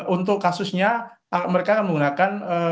untuk kasusnya mereka menggunakan